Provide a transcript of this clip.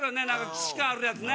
既視感あるやつね。